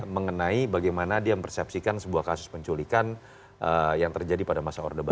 mengenai bagaimana dia mempersepsikan sebuah kasus penculikan yang terjadi pada masa orde baru